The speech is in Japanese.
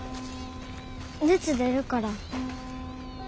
熱出るから。